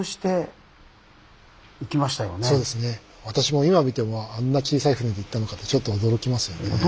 私も今見てもあんな小さい船で行ったのかとちょっと驚きますよね。